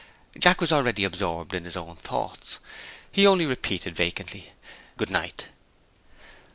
Jack was already absorbed in his own thoughts. He only repeated vacantly, "Good night."